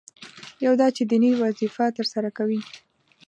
یو دا چې دیني وظیفه ترسره کوي.